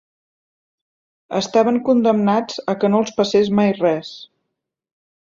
Estaven condemnats a que no els passés mai res.